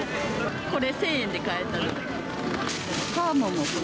これ、１０００円で買えたの。